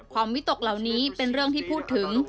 วิตกเหล่านี้เป็นเรื่องที่พูดถึง